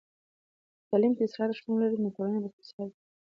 که په تعلیم کې اصلاحات شتون ولري، نو ټولنه به هوسا وي.